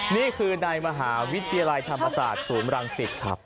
นี่คือในมหาวิทยาลัยธรรมศาสตร์ศูนย์รังสิตครับ